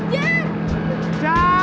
kejar mas pur kejar